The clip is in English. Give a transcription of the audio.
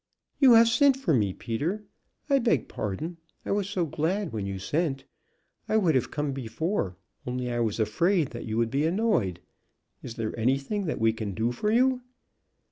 "You have sent for me, Peter I beg pardon. I was so glad when you sent. I would have come before, only I was afraid that you would be annoyed. Is there anything that we can do for you?"